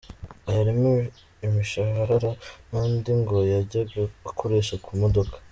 Aya arimo imishahara n’andi ngo yajyaga akoresha ku modoka.